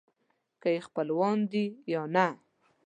که یې خپلوان دي یا نه.